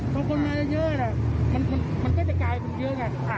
พอคนมาเยอะมันก็จะกลายเป็นเยอะไง